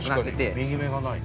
右目がないね。